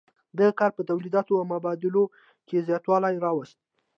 دغه کار په تولیداتو او مبادلو کې زیاتوالی راوست.